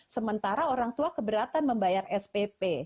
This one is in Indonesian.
sementara orang tua keberatan membayar spp